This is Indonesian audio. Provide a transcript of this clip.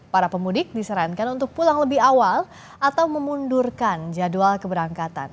para pemudik disarankan untuk pulang lebih awal atau memundurkan jadwal keberangkatan